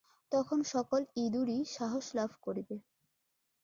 তখন সকল ইঁদুরই সাহস লাভ করিবে।